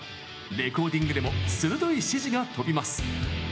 レコーディングでも鋭い指示が飛びます。